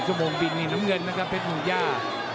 ชั่วโบงบินนี่น้องเงินน่ะครับเพชรมุญญา